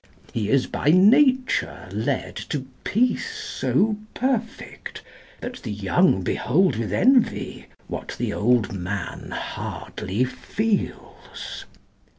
He is by nature led To peace so perfect, that the young behold With envy, what the old man hardly feels.